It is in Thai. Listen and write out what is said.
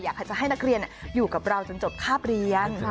อยากจะให้นักเรียนอยู่กับเราจนจบคาบเรียน